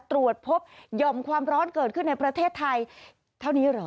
ตรวจพบหย่อมความร้อนเกิดขึ้นในประเทศไทยเท่านี้เหรอ